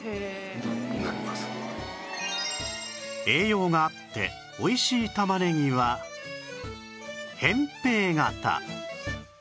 栄養があっておいしい玉ねぎは扁平型